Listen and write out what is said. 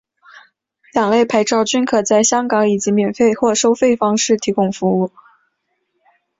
两类牌照均可在香港以免费或收费方式提供服务。